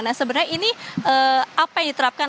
nah sebenarnya ini apa yang diterapkan